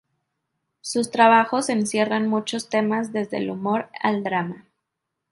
Sus trabajos encierran muchos temas desde el humor al drama.